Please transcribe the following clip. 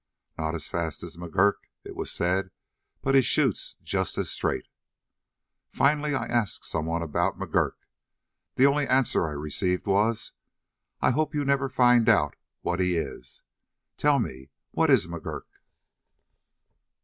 'Not as fast as McGurk,' it was said, 'but he shoots just as straight.' Finally I asked someone about McGurk. The only answer I received was: 'I hope you never find out what he is.' Tell me, what is McGurk?"